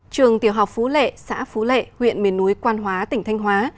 trường tiểu học phú lệ xã phú lệ huyện miền núi quan hóa tỉnh thanh hóa